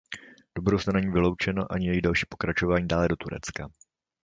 Do budoucna není vyloučeno ani její další pokračování dále do Turecka.